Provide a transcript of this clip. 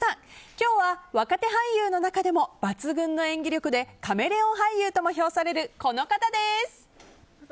今日は若手俳優の中でも抜群の演技力でカメレオン俳優とも評されるこの方です。